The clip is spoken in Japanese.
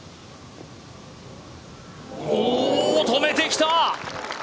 お止めてきた！